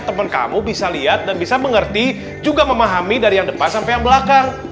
teman kamu bisa lihat dan bisa mengerti juga memahami dari yang depan sampai yang belakang